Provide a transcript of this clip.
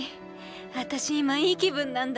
あたし今いい気分なんだ！